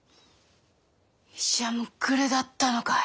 医者もグルだったのかい。